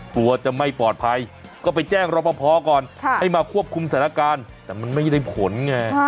กลัวจะไม่ปลอดภัยก็ไปแจ้งรอปภก่อนให้มาควบคุมสถานการณ์แต่มันไม่ได้ผลไง